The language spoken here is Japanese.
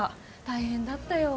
大変だったよ。